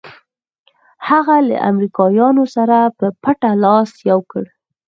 هغه له امریکایانو سره په پټه لاس یو کړ.